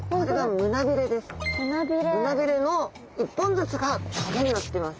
胸びれの１本ずつが棘になってます。